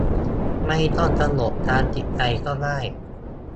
ไม่ต้องสงบทางจิตใจก็ได้